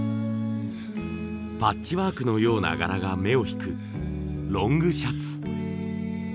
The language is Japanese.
パッチワークのような柄が目を引くロングシャツ。